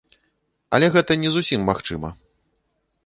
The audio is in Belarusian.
Але гэта не зусім магчыма.